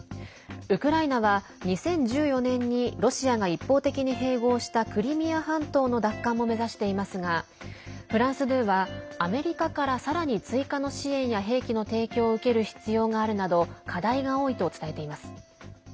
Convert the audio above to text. ウクライナは２０１４年にロシアが一方的に併合したクリミア半島の奪還も目指していますがフランス２は、アメリカからさらに追加の支援や兵器の提供を受ける必要があるなど課題が多いと伝えています。